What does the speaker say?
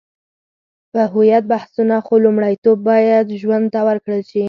په هویت بحثونه، خو لومړیتوب باید ژوند ته ورکړل شي.